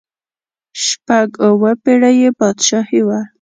شپږ اووه پړۍ یې بادشاهي وه.